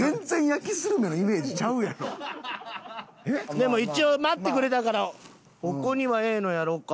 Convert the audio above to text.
でも一応待ってくれたからお子にはええのやろうか。